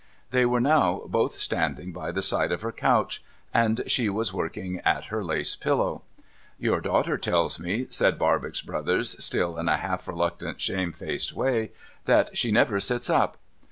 They were now both standing by the side of her couch, and she was working at her lace pillow. ' Your daughter tells me,' said Barbox Brothers, still in a half reluctant shamefaced way, ' that she never sits up.'